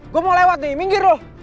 gue mau lewat nih minggir loh